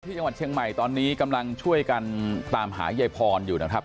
จังหวัดเชียงใหม่ตอนนี้กำลังช่วยกันตามหายายพรอยู่นะครับ